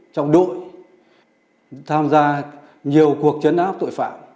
trong đội tham gia nhiều cuộc chấn áp tội phạm